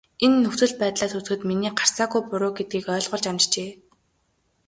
Энэ нөхцөл байдлаас үзэхэд миний гарцаагүй буруу гэдгийг ойлгуулж амжжээ.